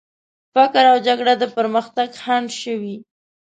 فقر او جګړه د پرمختګ خنډ شوي.